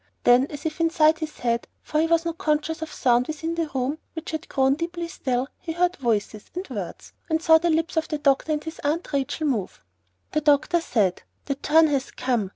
Then, as if inside his head, for he was not conscious of sound within the room which had grown deeply still, he heard voices and words, and saw the lips of the doctor and his Aunt Rachel move. The doctor said, "The turn has come.